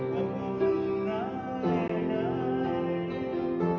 ขอบคุณครับ